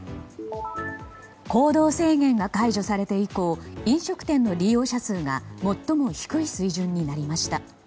行動制限が解除されて以降飲食店の利用者数が最も低い水準になりました。